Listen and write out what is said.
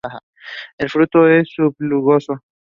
El fruto es subgloboso.